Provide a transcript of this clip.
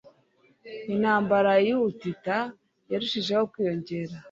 Intambara yubutita yarushijeho kwiyongera